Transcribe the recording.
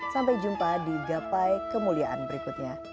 sampai jumpa di gapai kemuliaan berikutnya